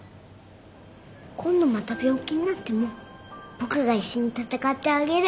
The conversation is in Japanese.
今度また病気になっても僕が一緒に闘ってあげる。